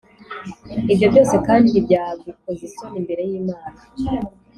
Ibyo byose kandi byagukoza isoni imbere y’Imana,